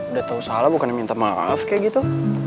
udah tau salah bukannya minta maaf kayak gitu